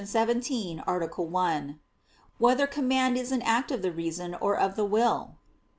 17, Art. 1] Whether Command Is an Act of the Reason or of the Will?